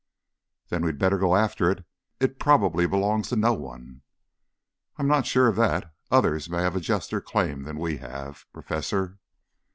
"Then we'd better go after it. It probably belongs to no one." "I'm not sure of that. Others may have a juster claim than we have, Professor."